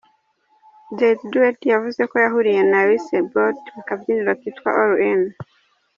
Jady Duarte yavuze ko yahuriye na Usain Bolt mu kabyiniro kitwa All In.